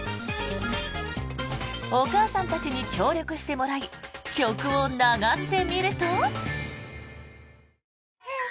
お母さんたちに協力してもらい曲を流すと。